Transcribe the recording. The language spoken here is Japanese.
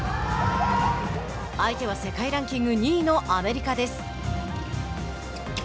相手は世界ランキング２位のアメリカです。